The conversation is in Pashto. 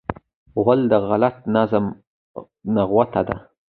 غول د غلط نظم نغوته ده.